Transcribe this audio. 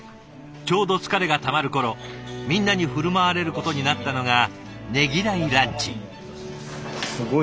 ちょうど疲れがたまる頃みんなに振る舞われることになったのがねぎらいランチ。